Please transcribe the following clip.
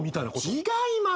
違いますよ。